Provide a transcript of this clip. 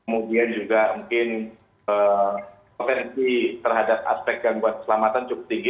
kemudian juga mungkin kepentingan terhadap aspek yang buat keselamatan cukup tinggi